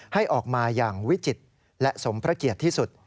ให้ออกมาอย่างวิจิตรและสมพระเกียรติที่สุด